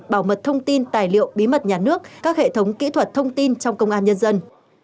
bảo mật thông tin tài liệu bí mật nhà nước các hệ thống kỹ thuật thông tin trong công an nhân dân